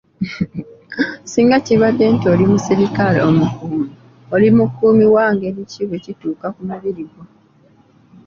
Singa kibadde nti oli muserikale omukuumi, oli mukuumi wa ngeri ki bwe kituuka ku mubiri gwo?